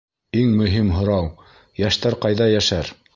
Иң мөһим һорау: йәштәр ҡайҙа йәшәр?